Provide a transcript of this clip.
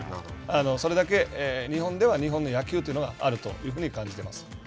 それだけ日本では日本の野球というのがあるというふうに感じています。